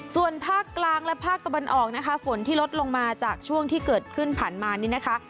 ส่วนภาคกลางและภาคตะวันออกนะคะฝนที่ลดลงมาจากช่วงที่เกิดขึ้นผ่านมานี่นะคะ